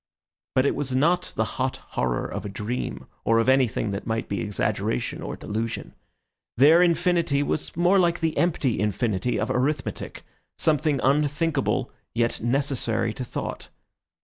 But it was not the hot horror of a dream or of anything that might be exaggeration or delusion. Their infinity was more like the empty infinity of arithmetic, something unthinkable, yet necessary to thought.